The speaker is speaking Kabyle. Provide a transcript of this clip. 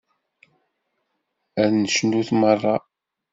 Ad necnut meṛṛa.